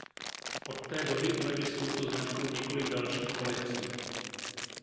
Od té doby uvedly s touto značkou několik dalších kolekcí.